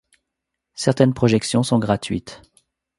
Certaines projections sont gratuites.